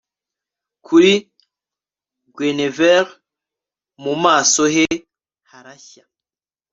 Kuri Guenevere mu maso he harashya